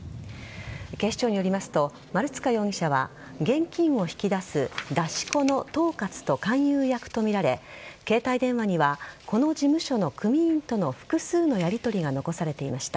警視庁によりますと丸塚容疑者は現金を引き出す出し子の統括と勧誘役とみられ携帯電話にはこの事務所の組員との複数のやりとりが残されていました。